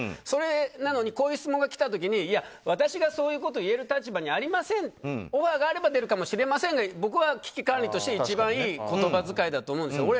それなのにこういう質問が来た時に私はそういうことを言える立場にありませんオファーがあれば出るかもしれませんが僕は、危機管理として一番いい言葉遣いだと思うんです。